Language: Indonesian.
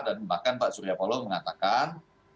dan bahkan pak surya paloh mengatakan